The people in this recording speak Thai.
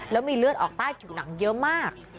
แล้วมีเลือดออกใต้ผิวหนังเยอะมาก